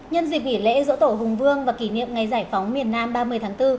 nhân dịp nghỉ lễ dỗ tổ hùng vương và kỷ niệm ngày giải phóng miền nam ba mươi tháng bốn